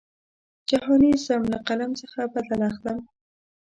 جهاني ځم له قلم څخه بدل اخلم.